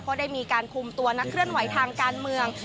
ได้มีการคุมตัวนักเคลื่อนไหวทางการเมือง